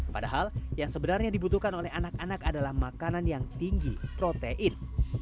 padahal yang sebenarnya dibutuhkan oleh anak anak adalah makanan yang tinggi protein